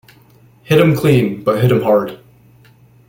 Hit 'em clean, but hit 'em hard!